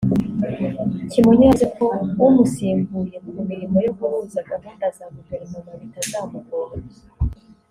Kimonyo yavuze ko umusimbuye ku mirimo yo guhuza gahunda za Guverinoma bitazamugora